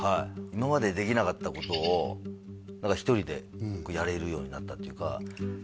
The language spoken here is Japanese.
今までできなかったことを何か１人でやれるようになったっていうか